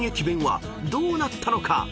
弁はどうなったのか？